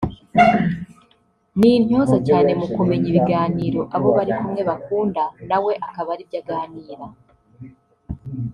ni intyoza cyane mu kumenya ibiganiro abo bari kumwe bakunda nawe akaba ari byo aganira